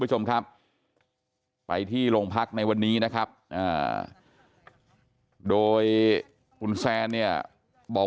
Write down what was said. คุณผู้ชมครับไปที่โรงพักในวันนี้นะครับโดยคุณแซนเนี่ยบอก